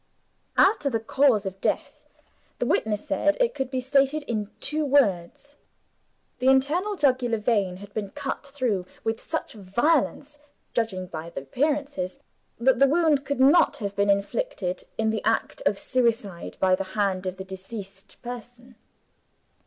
As to the cause of death, the witness said it could be stated in two words. The internal jugular vein had been cut through, with such violence, judging by the appearances, that the wound could not have been inflicted, in the act of suicide, by the hand of the deceased person.